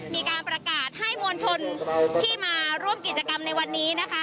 มีการประกาศให้มวลชนที่มาร่วมกิจกรรมในวันนี้นะคะ